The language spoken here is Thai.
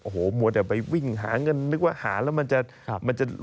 โอ้โหมัวแต่ไปวิ่งหาเงินนึกว่าหาแล้วมันจะมันจะ